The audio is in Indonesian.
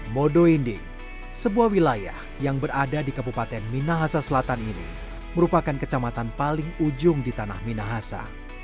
modo indi sebuah wilayah yang berada di kabupaten minahasa selatan ini merupakan kecamatan paling ujung di tanah minahasa